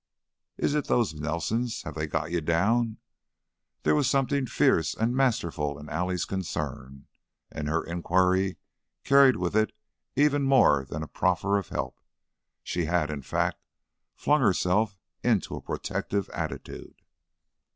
Is it those Nelsons? Have they got you down?" There was something fierce and masterful in Allie's concern, and her inquiry carried with it even more than a proffer of help; she had, in fact, flung herself into a protective attitude.